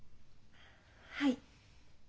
はい。